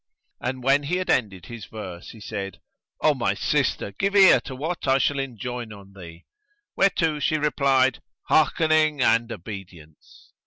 And when he had ended his verse, he said, "O my sister, give ear to what I shall enjoin on thee"; whereto she replied, "Hearkening and obedience."